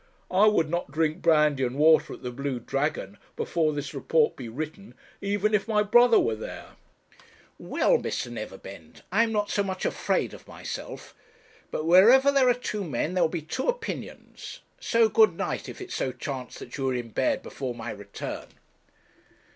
I would not drink brandy and water at the Blue Dragon, before this report be written, even if my brother were there.' 'Well, Mr. Neverbend, I am not so much afraid of myself. But wherever there are two men, there will be two opinions. So good night, if it so chance that you are in bed before my return.'